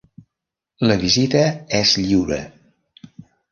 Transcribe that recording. La visita és lliure.